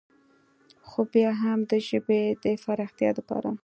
خو بيا هم د ژبې د فراختيا دپاره